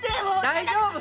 大丈夫！